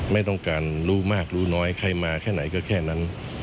ไม่ต้องการรู้มากรู้น้อยใครมาแค่ไหนก็แค่นั้น